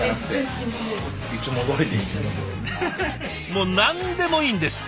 もう何でもいいんです！